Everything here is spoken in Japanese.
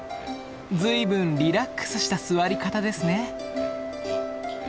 随分リラックスした座り方ですね。